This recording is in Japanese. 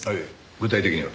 具体的には？